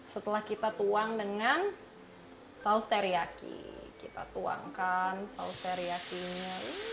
setelah kita tuang dengan saus teriyaki kita tuangkan saus teriyakinya